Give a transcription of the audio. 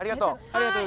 ありがとう。